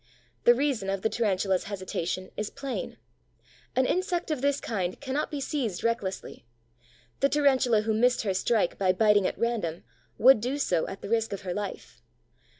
The reason of the Tarantula's hesitation is plain. An insect of this kind cannot be seized recklessly: the Tarantula who missed her strike by biting at random would do so at the risk of her life.